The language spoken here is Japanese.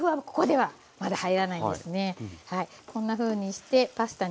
はい。